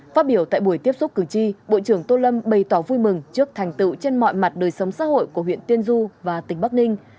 phát biểu tại buổi tiếp xúc cử tri bộ trưởng tô lâm bày tỏ vui mừng trước thành tựu trên mọi mặt đời sống xã hội của huyện tiên du và tỉnh bắc ninh